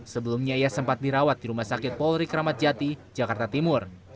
sebelumnya ia sempat dirawat di rumah sakit polri kramat jati jakarta timur